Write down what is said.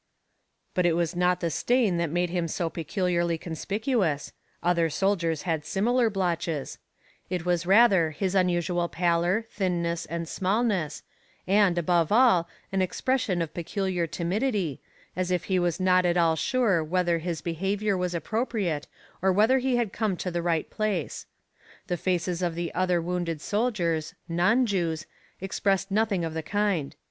But it was not the stain that made him so peculiarly conspicuous other soldiers had similar blotches it was rather his unusual pallor, thinness and smallness, and, above all, an expression of peculiar timidity, as if he was not at all sure whether his behaviour was appropriate and whether he had come to the right place. The faces of the other wounded soldiers, non Jews, expressed nothing of the kind.